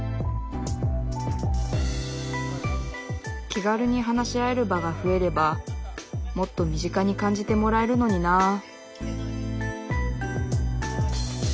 気軽に話し合える場が増えればもっと身近に感じてもらえるのになあ